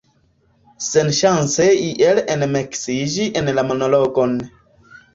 Senŝance iel enmiksiĝi en la monologon.